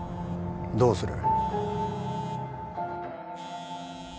どうする？